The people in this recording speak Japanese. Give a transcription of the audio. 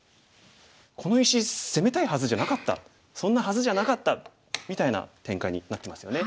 この石攻めたいはずじゃなかったそんなはずじゃなかった」みたいな展開になってますよね。